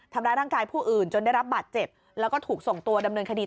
ทำร้ายร่างกายผู้อื่นจนได้รับบาดเจ็บแล้วก็ถูกส่งตัวดำเนินคดี